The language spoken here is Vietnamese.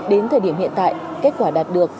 đến thời điểm hiện tại kết quả đạt được